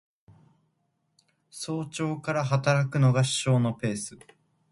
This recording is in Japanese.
早朝から働くのが首相のペース